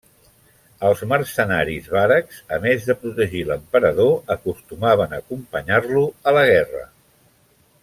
Els mercenaris varegs, a més de protegir l'emperador, acostumaven a acompanyar-lo a la guerra.